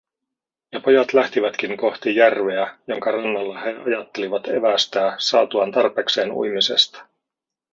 Ja pojat lähtivätkin kohti järveä, jonka rannalla he ajattelivat evästää saatuaan tarpeekseen uimisesta.